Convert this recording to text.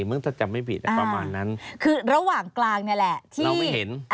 มึงถ้าจำไม่ผิดประมาณนั้นคือระหว่างกลางนี่แหละที่เราไม่เห็น